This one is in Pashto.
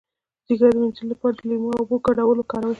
د ځیګر د مینځلو لپاره د لیمو او اوبو ګډول وکاروئ